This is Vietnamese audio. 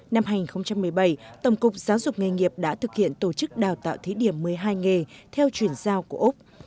năm hai nghìn một mươi bảy tổng cục giáo dục nghề nghiệp đã thực hiện tổ chức đào tạo thí điểm một mươi hai nghề theo chuyển giao của úc